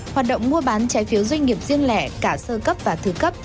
hoạt động mua bán trái phiếu doanh nghiệp riêng lẻ cả sơ cấp và thứ cấp